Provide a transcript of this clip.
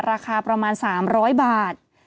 ราคาประมาณ๓๐๐บาท